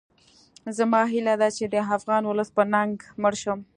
زما هیله ده چې د افغان ولس په ننګ مړ شم